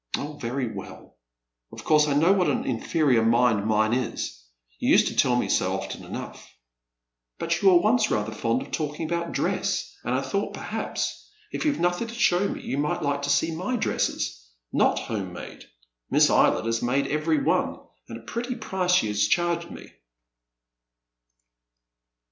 *' Oh, very well ; of course I know what an inferior mind mine is. You used to tell me so often enough. But you were once rather fond of talking about dress, and I thought, perhaps, if you've nothing to show me you might hke to see my dresses — not home made. INIiss Eyiett has made every one, and a pretty price she has charged me."